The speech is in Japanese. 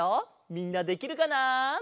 みんなできるかな？